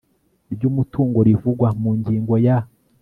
ry umutungo rivugwa mu ngingo ya